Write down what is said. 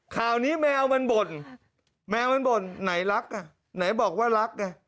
ข่าวนี้แมวมันบ่นแมวมันบ่นไหนรักอ่ะไหนบอกว่ารักไง